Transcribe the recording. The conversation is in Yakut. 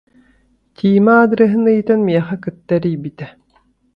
Тима аадырыһын ыйытан миэхэ кытта эрийбитэ